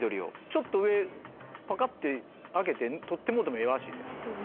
ちょっと上パカって開けて取ってもうてもええらしいで。